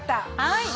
はい！